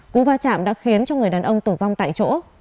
cú va chạm đã khiến cho người đàn ông tử vong tại chỗ